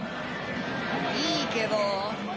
いいけど。